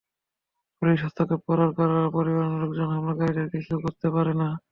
Police হস্তক্ষেপ করার কারণে পরিবহনের লোকজন হামলাকারীদের কিছু করতে পারে না।